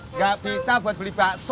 nggak bisa buat beli bakso